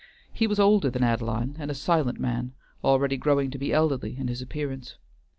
He was older than Adeline, and a silent man, already growing to be elderly in his appearance.